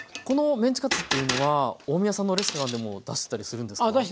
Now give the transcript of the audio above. このメンチカツっていうのは大宮さんのレストランでも出してたりするんですか？